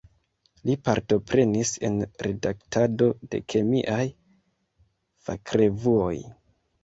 Li partoprenis en redaktado de kemiaj fakrevuoj.